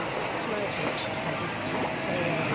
マンションの一室借りてたからねそれ用に。